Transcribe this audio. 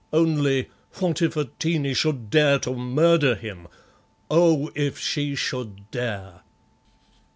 Only what if Atene should dare to murder him? Oh, if she should dare!"